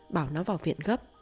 bảo nó vào viện gấp